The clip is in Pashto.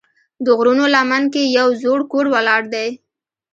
د غرونو لمن کې یو زوړ کور ولاړ دی.